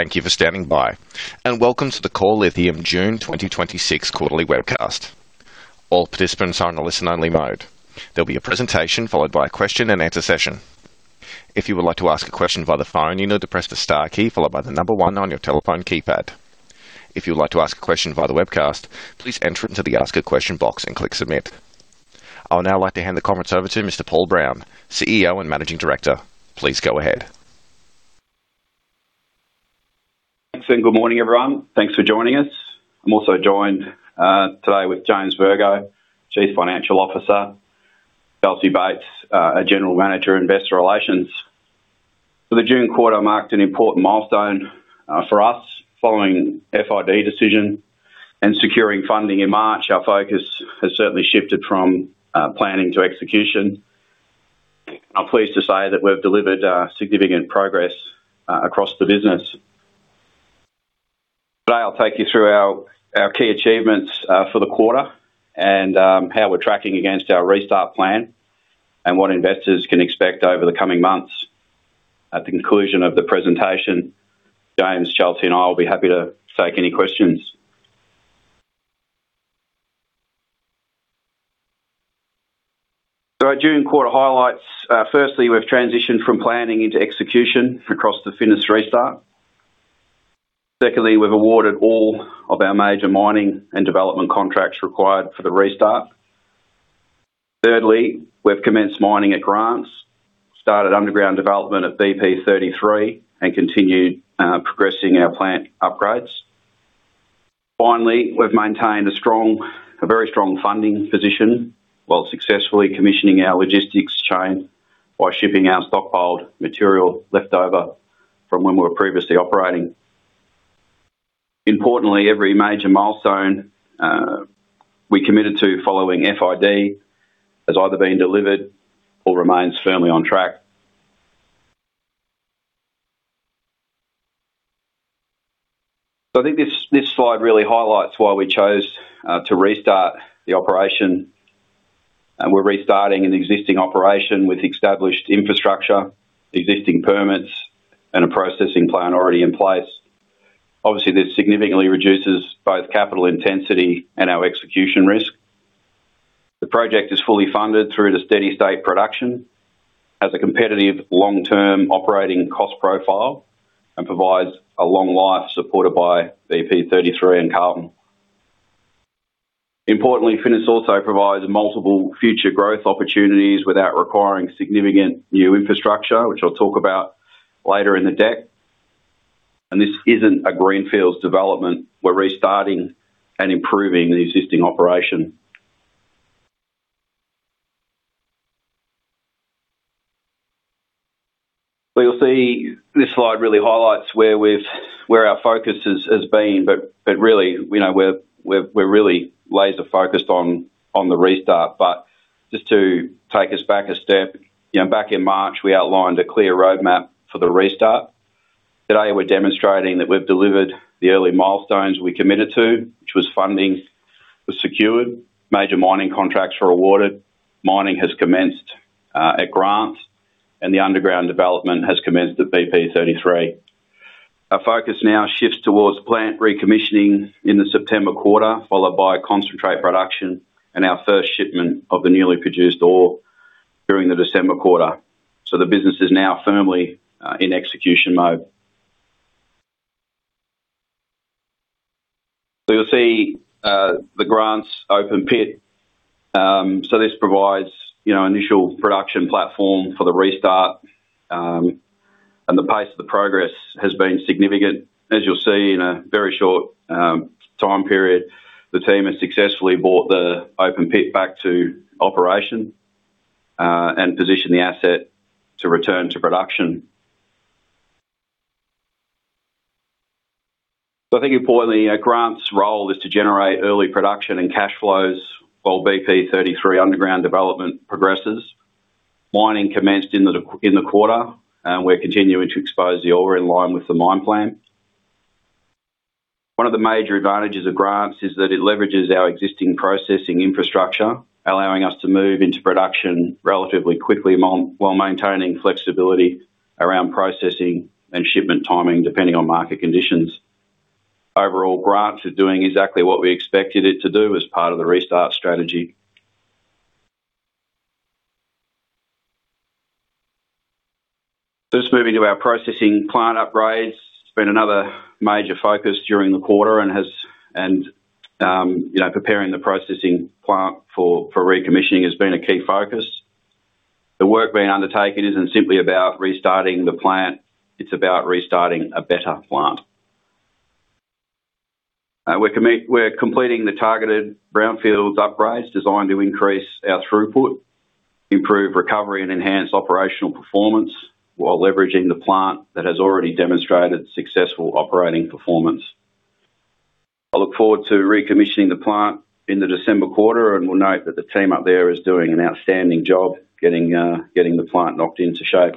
Thank you for standing by. Welcome to the Core Lithium June 2026 quarterly webcast. All participants are on a listen-only mode. There will be a presentation followed by a question and answer session. If you would like to ask a question via the phone, you need to press the star key followed by the number one on your telephone keypad. If you would like to ask a question via the webcast, please enter it into the Ask a Question box and click submit. I would now like to hand the conference over to Mr. Paul Brown, Chief Executive Officer and Managing Director. Please go ahead. Thanks. Good morning, everyone. Thanks for joining us. I am also joined today with James Virgo, Chief Financial Officer, Chelsea Bates, our General Manager, Investor Relations. The June quarter marked an important milestone for us. Following FID decision and securing funding in March, our focus has certainly shifted from planning to execution. I am pleased to say that we have delivered significant progress across the business. Today, I will take you through our key achievements for the quarter and how we are tracking against our restart plan and what investors can expect over the coming months. At the conclusion of the presentation, James, Chelsea, and I will be happy to take any questions. Our June quarter highlights. Firstly, we have transitioned from planning into execution across the Finniss restart. Secondly, we have awarded all of our major mining and development contracts required for the restart. Thirdly, we have commenced mining at Grants, started underground development at BP33, and continued progressing our plant upgrades. Finally, we have maintained a very strong funding position while successfully commissioning our logistics chain by shipping our stockpiled material leftover from when we were previously operating. Importantly, every major milestone we committed to following FID has either been delivered or remains firmly on track. I think this slide really highlights why we chose to restart the operation. We are restarting an existing operation with established infrastructure, existing permits, and a processing plant already in place. Obviously, this significantly reduces both capital intensity and our execution risk. The project is fully funded through to steady state production, has a competitive long-term operating cost profile, and provides a long life supported by BP33 and Carlton. Importantly, Finniss also provides multiple future growth opportunities without requiring significant new infrastructure, which I will talk about later in the deck. This isn't a greenfields development. We are restarting and improving the existing operation. You will see this slide really highlights where our focus has been. Really, we are laser-focused on the restart. Just to take us back a step, back in March, we outlined a clear roadmap for the restart. Today, we are demonstrating that we have delivered the early milestones we committed to, which was funding was secured, major mining contracts were awarded, mining has commenced at Grants, and the underground development has commenced at BP33. Our focus now shifts towards plant recommissioning in the September quarter, followed by concentrate production and our first shipment of the newly produced ore during the December quarter. The business is now firmly in execution mode. You'll see the Grants open pit. This provides initial production platform for the restart, and the pace of the progress has been significant. You'll see, in a very short time period, the team has successfully brought the open pit back to operation and positioned the asset to return to production. I think importantly, Grants' role is to generate early production and cash flows while BP33 underground development progresses. Mining commenced in the quarter, and we're continuing to expose the ore in line with the mine plan. One of the major advantages of Grants is that it leverages our existing processing infrastructure, allowing us to move into production relatively quickly while maintaining flexibility around processing and shipment timing, depending on market conditions. Overall, Grants is doing exactly what we expected it to do as part of the restart strategy. Just moving to our processing plant upgrades. It's been another major focus during the quarter. Preparing the processing plant for recommissioning has been a key focus. The work being undertaken isn't simply about restarting the plant, it's about restarting a better plant. We're completing the targeted brownfield upgrades designed to increase our throughput, improve recovery, and enhance operational performance while leveraging the plant that has already demonstrated successful operating performance. I look forward to recommissioning the plant in the December quarter, and will note that the team up there is doing an outstanding job getting the plant knocked into shape.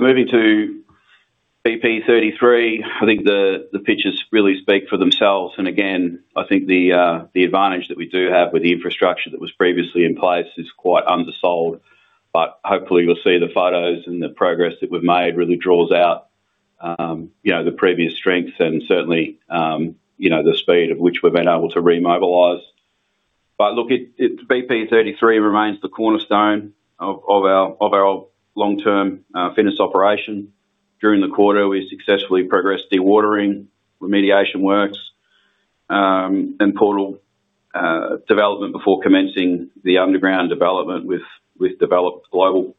Moving to BP33, I think the pictures really speak for themselves. Again, I think the advantage that we do have with the infrastructure that was previously in place is quite undersold. Hopefully you'll see the photos and the progress that we've made really draws out the previous strengths and certainly, the speed at which we've been able to remobilize. Look, BP33 remains the cornerstone of our long-term Finniss operation. During the quarter, we successfully progressed dewatering, remediation works, and portal development before commencing the underground development with Develop Global.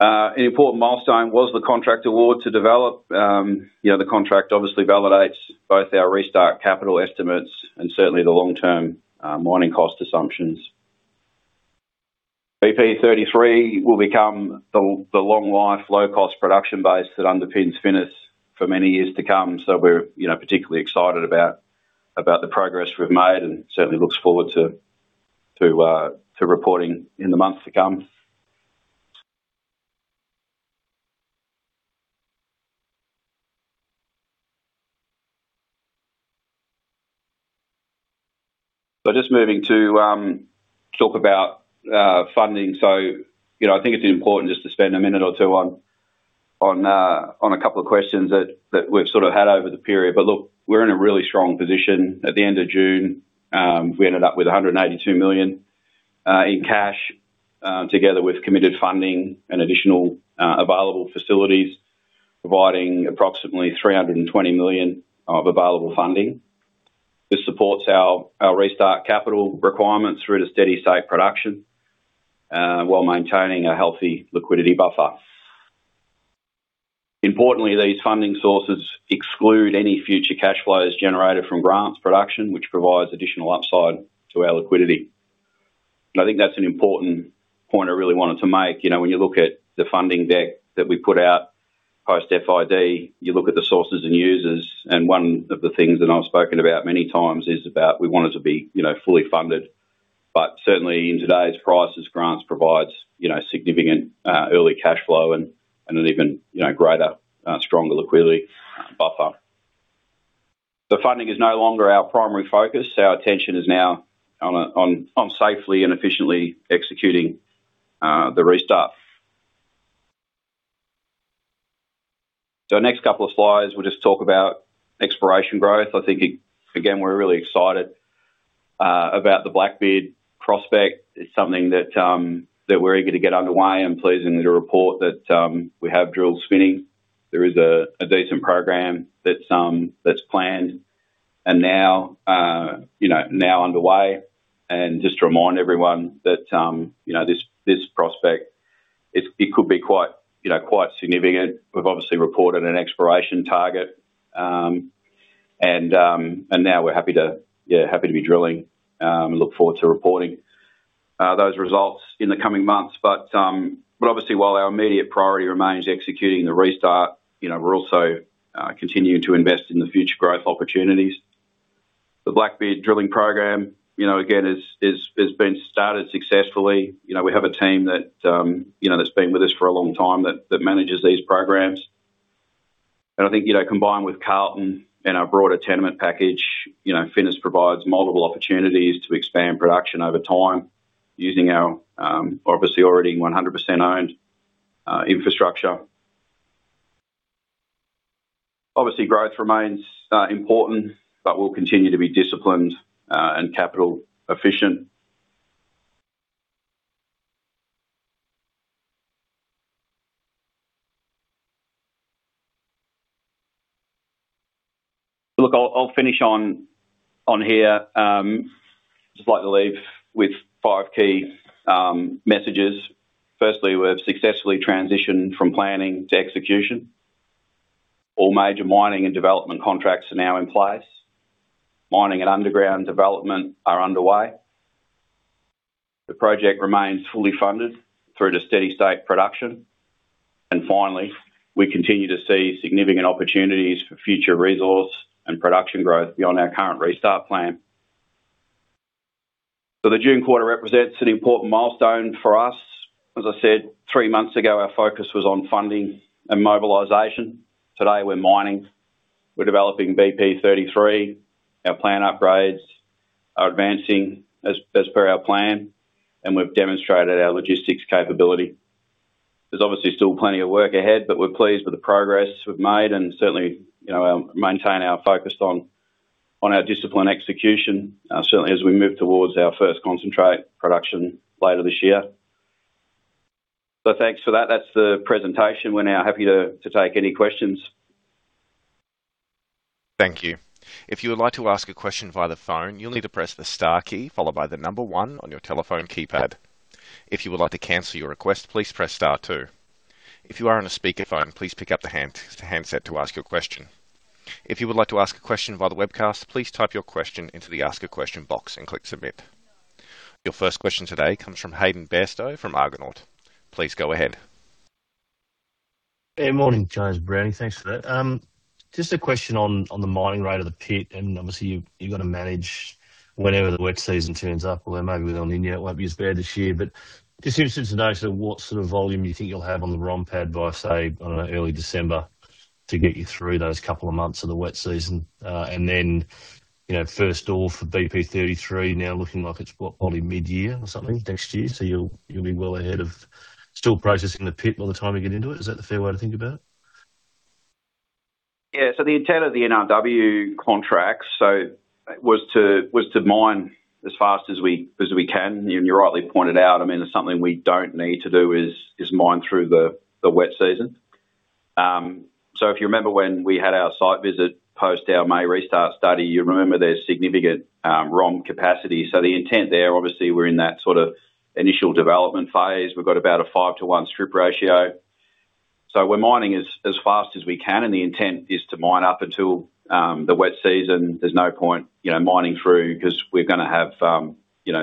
An important milestone was the contract award to Develop. The contract obviously validates both our restart capital estimates and certainly the long-term mining cost assumptions. BP33 will become the long life, low cost production base that underpins Finniss for many years to come. We're particularly excited about the progress we've made and certainly look forward to reporting in the months to come. Just moving to talk about funding. I think it's important just to spend a minute or two on a couple of questions that we've sort of had over the period. Look, we're in a really strong position. At the end of June, we ended up with 182 million in cash, together with committed funding and additional available facilities, providing approximately 320 million of available funding. This supports our restart capital requirements through to steady state production, while maintaining a healthy liquidity buffer. Importantly, these funding sources exclude any future cash flows generated from Grants production, which provides additional upside to our liquidity. I think that's an important point I really wanted to make. When you look at the funding deck that we put out post FID, you look at the sources and users. One of the things that I've spoken about many times is about we wanted to be fully funded. Certainly in today's prices, Grants provides significant early cash flow and an even greater, stronger liquidity buffer. Funding is no longer our primary focus. Our attention is now on safely and efficiently executing the restart. Our next couple of slides will just talk about exploration growth. I think, again, we're really excited about the Blackbeard prospect. It's something that we're eager to get underway and pleased to report that we have drills spinning. There is a decent program that's planned and now underway. Just to remind everyone that this prospect, it could be quite significant. We've obviously reported an exploration target, and now we're happy to be drilling. Look forward to reporting those results in the coming months. Obviously, while our immediate priority remains executing the restart, we're also continuing to invest in the future growth opportunities. The Blackbeard drilling program, again, has been started successfully. We have a team that's been with us for a long time that manages these programs. I think, combined with Carlton and our broader tenement package. Finniss provides multiple opportunities to expand production over time using our obviously already 100% owned infrastructure. Obviously, growth remains important, we'll continue to be disciplined and capital efficient. Look, I'll finish on here. Just like to leave with five key messages. Firstly, we've successfully transitioned from planning to execution. All major mining and development contracts are now in place. Mining and underground development are underway. The project remains fully funded through to steady state production. Finally, we continue to see significant opportunities for future resource and production growth beyond our current restart plan. The June quarter represents an important milestone for us. As I said, three months ago, our focus was on funding and mobilization. Today, we're mining. We're developing BP33. Our plant upgrades are advancing as per our plan, we've demonstrated our logistics capability. There's obviously still plenty of work ahead, we're pleased with the progress we've made and certainly, maintain our focus on our discipline execution, certainly as we move towards our first concentrate production later this year. Thanks for that. That's the presentation. We're now happy to take any questions. Thank you. If you would like to ask a question via the phone, you'll need to press the star key followed by the number one on your telephone keypad. If you would like to cancel your request, please press star two. If you are on a speakerphone, please pick up the handset to ask your question. If you would like to ask a question via the webcast, please type your question into the Ask a Question box and click Submit. Your first question today comes from Hayden Bairstow from Argonaut. Please go ahead. Good morning, Paul, Chelsea and James. Thanks for that. Just a question on the mining rate of the pit, obviously you've got to manage whenever the wet season turns up, or maybe with El Niño it won't be as bad this year. Just interested to know sort of what sort of volume you think you'll have on the ROM pad by, say, early December to get you through those couple of months of the wet season. First ore for BP33 now looking like it's what, probably mid-year or something next year. You'll be well ahead of still processing the pit by the time you get into it. Is that the fair way to think about it? Yeah. The intent of the NRW contract was to mine as fast as we can. You rightly pointed out, there's something we don't need to do is mine through the wet season. If you remember when we had our site visit post our May restart study, you remember there's significant ROM capacity. The intent there, obviously, we're in that sort of initial development phase. We've got about a five to one strip ratio. We're mining as fast as we can, and the intent is to mine up until the wet season. There's no point mining through because we're gonna have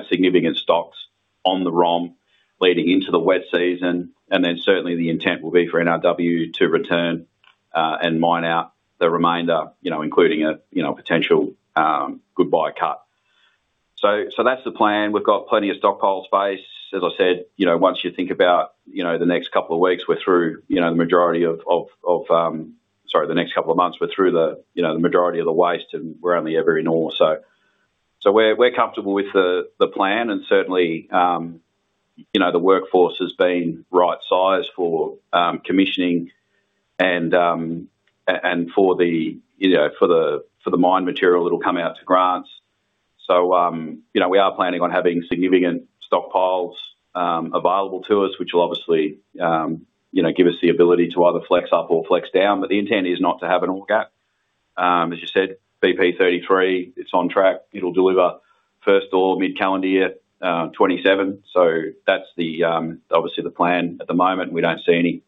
significant stocks on the ROM leading into the wet season. Certainly the intent will be for NRW to return and mine out the remainder including a potential goodbye cut. That's the plan. We've got plenty of stockpile space. As I said, once you think about the next couple of months, we're through the majority of the waste, and we're only every ore. We're comfortable with the plan and certainly, the workforce has been right-sized for commissioning and for the mine material that will come out to grants. We are planning on having significant stockpiles available to us, which will obviously give us the ability to either flex up or flex down, but the intent is not to have an ore gap. As you said, BP33, it's on track. It'll deliver first ore mid-calendar year 2027. That's obviously the plan at the moment, and we don't see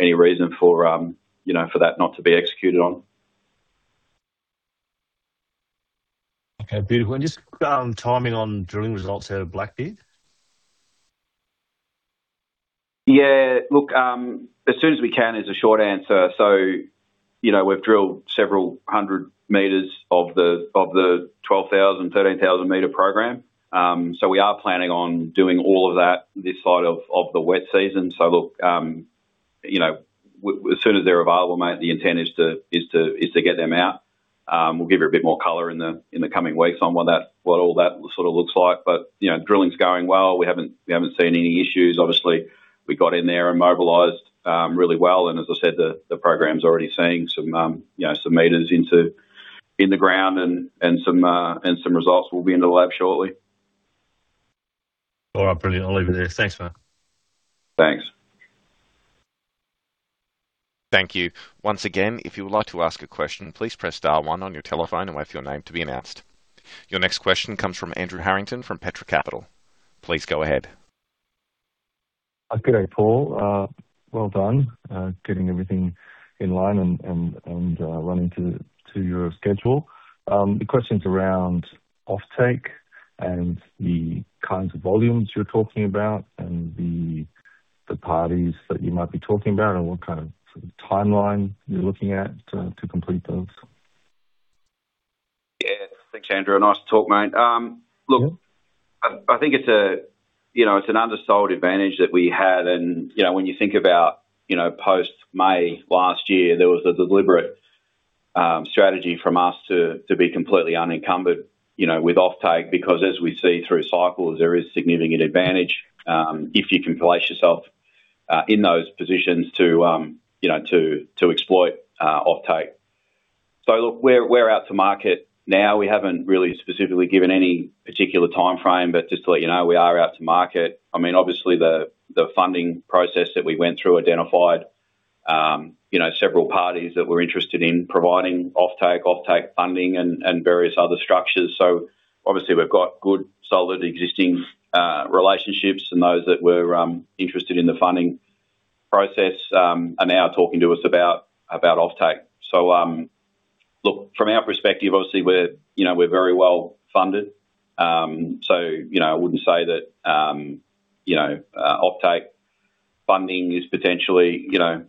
any reason for that not to be executed on. Okay. Beautiful. Just timing on drilling results out of Blackbeard? Look, as soon as we can is a short answer. We've drilled several hundred meters of the 12,000 m-13,000 m program. We are planning on doing all of that this side of the wet season. Look, as soon as they're available, mate, the intent is to get them out. We'll give you a bit more color in the coming weeks on what all that sort of looks like. Drilling's going well. We haven't seen any issues. Obviously, we got in there and mobilized really well. As I said, the program's already seeing some meters in the ground and some results will be in the lab shortly. Brilliant. I'll leave it there. Thanks, man. Thanks. Thank you. Once again, if you would like to ask a question, please press star one on your telephone and wait for your name to be announced. Your next question comes from Andrew Harrington from Petra Capital. Please go ahead. Good day, Paul. Well done, getting everything in line and running to your schedule. The question's around offtake and the kinds of volumes you're talking about and the parties that you might be talking about and what kind of timeline you're looking at to complete those. Yeah. Thanks, Andrew. Nice to talk, mate. Look, I think it's an underserved advantage that we had. When you think about post-May last year, there was a deliberate strategy from us to be completely unencumbered with offtake, because as we see through cycles, there is significant advantage if you can place yourself in those positions to exploit offtake. Look, we're out to market now. We haven't really specifically given any particular timeframe, but just to let you know, we are out to market. Obviously the funding process that we went through identified several parties that were interested in providing offtake funding and various other structures. Obviously we've got good, solid existing relationships and those that were interested in the funding process are now talking to us about offtake. Look, from our perspective, obviously we're very well-funded. I wouldn't say that offtake funding is potentially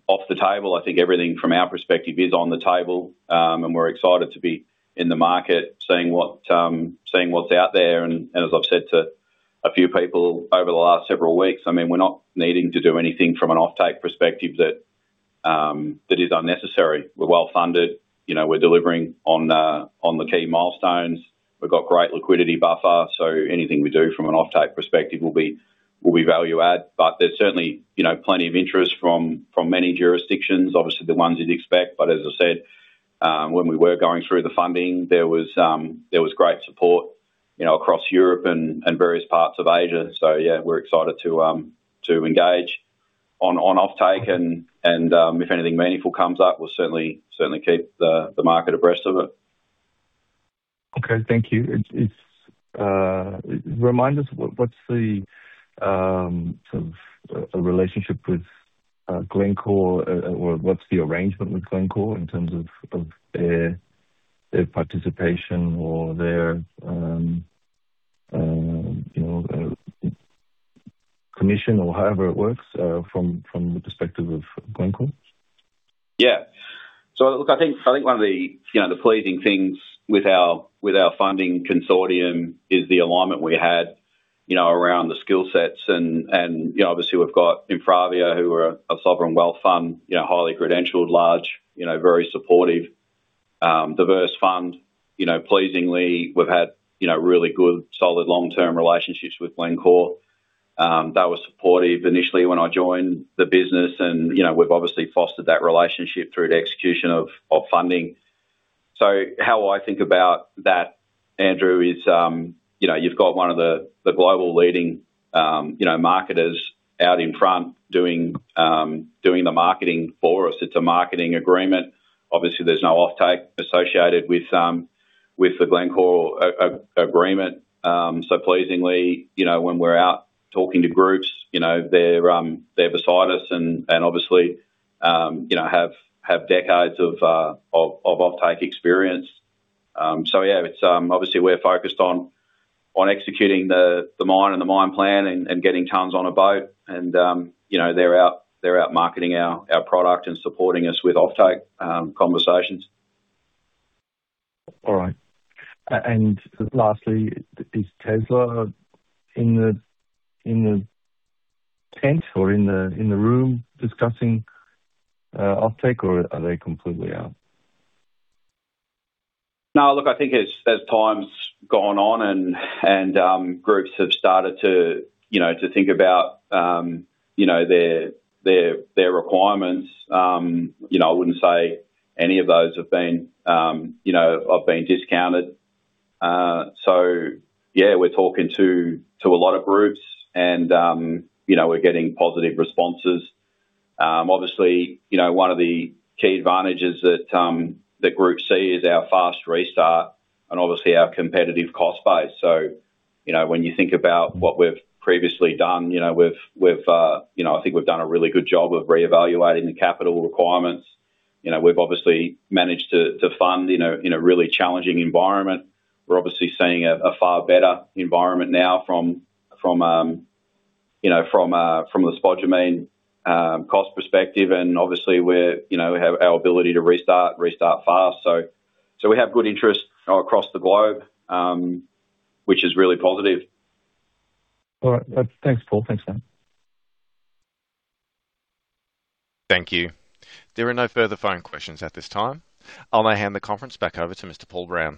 off the table. I think everything from our perspective is on the table, we're excited to be in the market, seeing what's out there. As I've said to a few people over the last several weeks, we're not needing to do anything from an offtake perspective that is unnecessary. We're well-funded. We're delivering on the key milestones. We've got great liquidity buffer. Anything we do from an offtake perspective will be value add. There's certainly plenty of interest from many jurisdictions, obviously the ones you'd expect. As I said, when we were going through the funding, there was great support across Europe and various parts of Asia. Yeah, we're excited to engage on offtake and if anything meaningful comes up, we'll certainly keep the market abreast of it. Okay. Thank you. Remind us what's the relationship with Glencore or what's the arrangement with Glencore in terms of their participation or their commission or however it works from the perspective of Glencore? Yeah. Look, I think one of the pleasing things with our funding consortium is the alignment we had around the skill sets and obviously we've got InfraVia, who are a sovereign wealth fund, highly credentialed, large, very supportive, diverse fund. Pleasingly, we've had really good, solid, long-term relationships with Glencore. That was supportive initially when I joined the business, and we've obviously fostered that relationship through the execution of funding. How I think about that, Andrew, is you've got one of the global leading marketers out in front doing the marketing for us. It's a marketing agreement. Obviously, there's no offtake associated with the Glencore agreement. Pleasingly, when we're out talking to groups, they're beside us and obviously have decades of offtake experience. Yeah, obviously we're focused on executing the mine and the mine plan and getting tons on a boat and they're out marketing our product and supporting us with offtake conversations. All right. Lastly, is Tesla in the tent or in the room discussing offtake or are they completely out? No, look, I think as time's gone on and groups have started to think about their requirements, I wouldn't say any of those have been discounted. Yeah, we're talking to a lot of groups and we're getting positive responses. Obviously, one of the key advantages that groups see is our fast restart and obviously our competitive cost base. When you think about what we've previously done, I think we've done a really good job of reevaluating the capital requirements. We've obviously managed to fund in a really challenging environment. We're obviously seeing a far better environment now from the spodumene cost perspective, and obviously we have our ability to restart fast. We have good interest across the globe, which is really positive. All right. Thanks, Paul. Thanks team. Thank you. There are no further phone questions at this time. I'll now hand the conference back over to Mr. Paul Brown.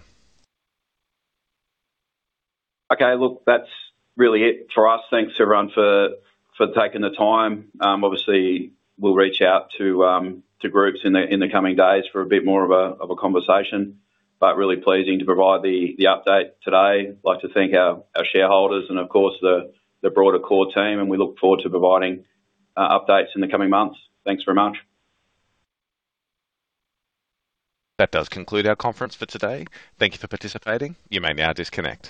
Okay. Look, that's really it for us. Thanks, everyone, for taking the time. Obviously, we'll reach out to groups in the coming days for a bit more of a conversation. Really pleasing to provide the update today. Like to thank our shareholders and of course, the broader core team, and we look forward to providing updates in the coming months. Thanks very much. That does conclude our conference for today. Thank you for participating. You may now disconnect.